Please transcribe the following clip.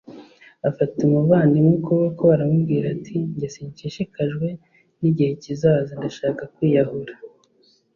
Afata umuvandimwe ukuboko aramubwira ati “jye sinshishikajwe n’igihe kizaza. Ndashaka kwiyahura”